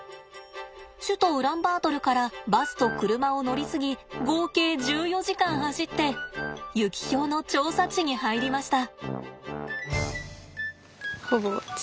首都ウランバートルからバスと車を乗り継ぎ合計１４時間走ってユキヒョウの調査地に入りました。